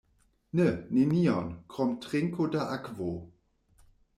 Ne, nenion, krom trinko da akvo.